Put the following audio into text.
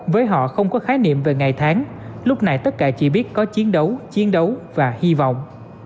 với họ không có khái niệm về ngày tháng lúc này tất cả chỉ biết có chiến đấu chiến đấu và hy vọng